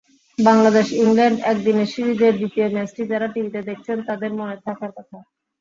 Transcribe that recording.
বাংলাদেশ-ইংল্যান্ড একদিনের সিরিজের দ্বিতীয় ম্যাচটি যাঁরা টিভিতে দেখেছেন, তাঁদের মনে থাকার কথা।